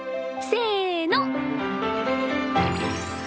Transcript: せの。